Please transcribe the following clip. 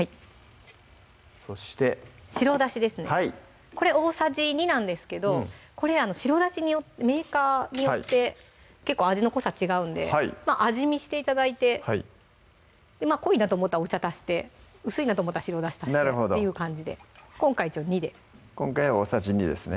そして白だしですねこれ大さじ２なんですけどこれ白だしメーカーによって結構味の濃さ違うんでまぁ味見して頂いて濃いなと思ったらお茶足して薄いなと思ったら白だし足してっていう感じで今回２で今回は大さじ２ですね